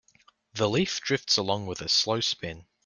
The leaf drifts along with a slow spin.